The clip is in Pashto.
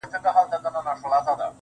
شاعره خداى دي زما ملگرى كه~